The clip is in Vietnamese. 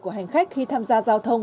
của hành khách khi tham gia giao thông